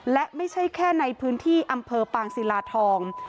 และไม่ใช่แค่ในพื้นที่อำเภอปางศิลาทอง